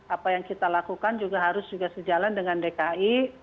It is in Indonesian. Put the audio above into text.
apa yang kita lakukan juga harus juga sejalan dengan dki